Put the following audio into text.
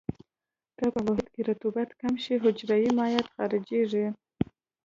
که په محیط کې رطوبت کم شي حجرې مایعات خارجيږي.